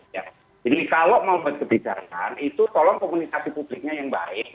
jadi kalau mau berkebijakan itu tolong komunikasi publiknya yang baik